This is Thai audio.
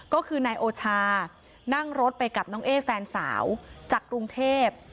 ก็คือนายโอชานั่งรถไปกับน้องเอ๊แฟนสาวจากกรุงเทพ